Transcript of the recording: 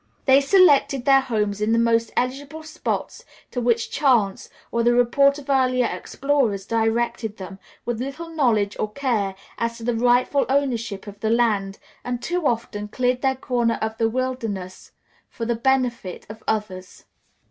They selected their homes in the most eligible spots to which chance or the report of earlier explorers directed them, with little knowledge or care as to the rightful ownership of the land, and too often cleared their corner of the wilderness for the benefit of others.